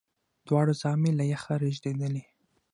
دواړي زامي یې له یخه رېږدېدلې